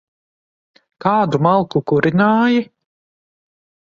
Kādu malku kurināji?